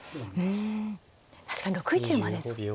確かに６一馬ですか。